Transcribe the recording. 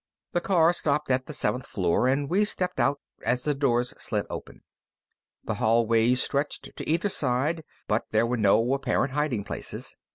The car stopped at the seventh door, and we stepped out as the doors slid open. The hallways stretched to either side, but there were no apparent hiding places.